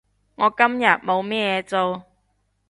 我今日冇咩嘢做